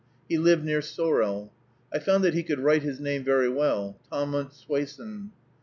He lived near Sorel. I found that he could write his name very well, Tahmunt Swasen.